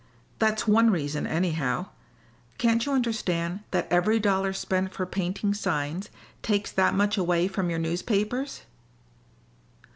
That's one reason, anyhow. Can't you understand that every dollar spent for painting signs takes that much away from your newspapers?"